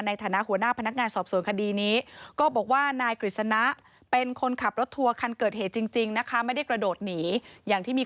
ในฐานะหัวหน้าพนักงานสอบส่วนคดีนี้